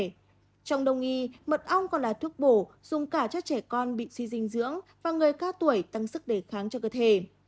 trong đồng nghi mật ong còn là thuốc bổ dùng cả cho trẻ con bị suy dinh dưỡng và người ca tuổi tăng sức đề kháng cho cơ thể